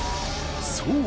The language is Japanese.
そう。